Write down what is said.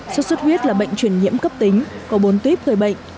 sốt xuất huyết là bệnh truyền nhiễm cấp tính có bốn tuyếp gây bệnh